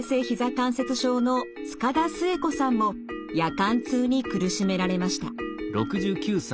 関節症の塚田末子さんも夜間痛に苦しめられました。